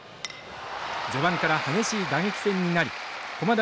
序盤から激しい打撃戦になり駒大